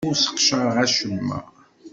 Ur sseqcareɣ acemma.